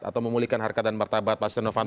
atau memulihkan harkat dan martabat pak setia novanto